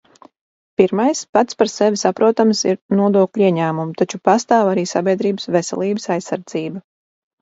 Pirmais, pats par sevi saprotams, ir nodokļu ieņēmumi, taču pastāv arī sabiedrības veselības aizsardzība.